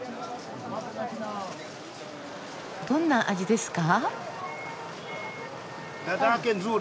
どんな味ですか？